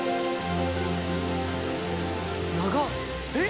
長っ！